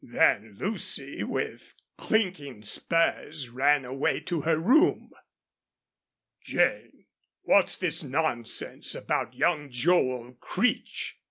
Then Lucy with clinking spurs ran away to her room. "Jane, what's this nonsense about young Joel Creech?"